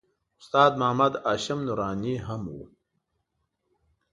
استاد محمد هاشم نوراني هم و.